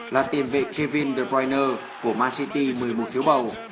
là tiền vệ kevin de bruyne của man city một mươi một thiếu bầu